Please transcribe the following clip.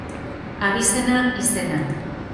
Abizena, Izena.